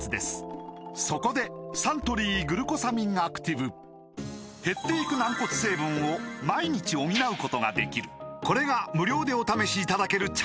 そこでサントリー「グルコサミンアクティブ」減っていく軟膏成分を毎日補うことができるこれが無料でお試しいただけるチャンスです